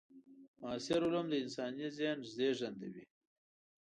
معاصر علوم د انساني ذهن زېږنده وي.